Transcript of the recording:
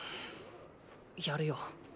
やるよ。